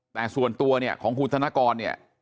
แต่ส่วนตัวเนี่ยของคุณธนกรเนี่ย